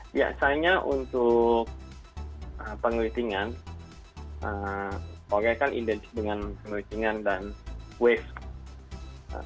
biasanya untuk pengelitingan korea kan identis dengan pengelitingan dan wave